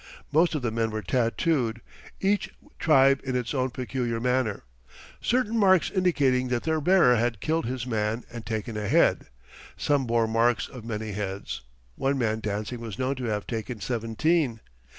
Most of the men were tattooed, each tribe in its own peculiar manner, certain marks indicating that their bearer had killed his man and taken a head some bore marks of many heads; one man dancing was known to have taken seventeen.